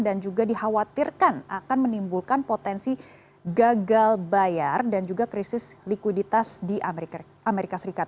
dan juga dikhawatirkan akan menimbulkan potensi gagal bayar dan juga krisis likuiditas di amerika serikat